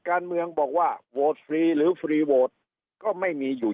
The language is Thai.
การเมืองบอกว่าโหวตฟรีหรือฟรีโหวตก็ไม่มีอยู่